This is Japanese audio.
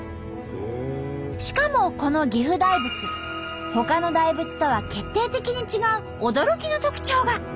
しかもこの岐阜大仏ほかの大仏とは決定的に違う驚きの特徴が！